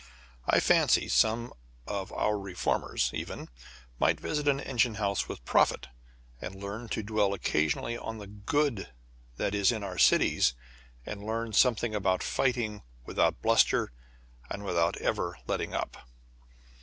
I fancy some of our reformers, even, might visit an engine house with profit, and learn to dwell occasionally on the good that is in our cities and learn something about fighting without bluster and without ever letting up.